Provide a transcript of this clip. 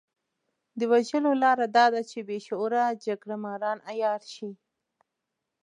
د وژلو لاره دا ده چې بې شعوره جګړه ماران عيار شي.